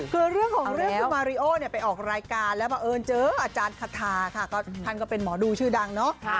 คือเรื่องของเรื่องคุณมาริโอเนี่ยไปออกรายการแล้วบังเอิญเจออาจารย์คาทาค่ะท่านก็เป็นหมอดูชื่อดังเนาะ